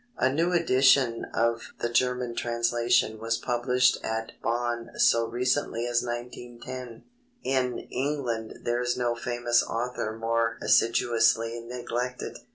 A new edition of the German translation was published at Bonn so recently as 1910. In England there is no famous author more assiduously neglected.